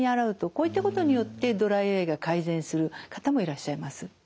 こういったことによってドライアイが改善する方もいらっしゃいます。